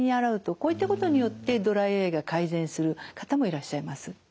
こういったことによってドライアイが改善する方もいらっしゃいます。